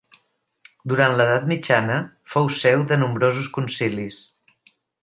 Durant l'edat mitjana fou seu de nombrosos concilis.